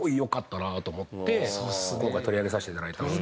今回取り上げさせていただいたんですけど。